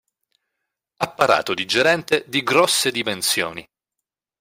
Apparato digerente di grosse dimensioni.